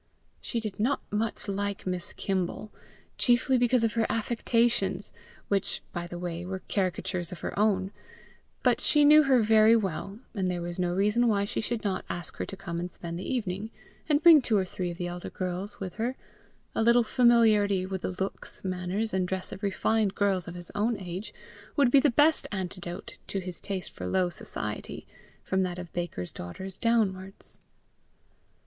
She did not much like Miss Kimble, chiefly because of her affectations which, by the way, were caricatures of her own; but she knew her very well, and there was no reason why she should not ask her to come and spend the evening, and bring two or three of the elder girls with her: a little familiarity with the looks, manners, and dress of refined girls of his own age, would be the best antidote to his taste for low society, from that of bakers' daughters downwards.